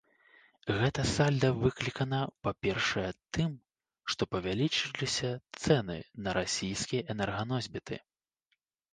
Гэтае сальда выклікана, па-першае, тым, што павялічыліся цэны на расійскія энерганосьбіты.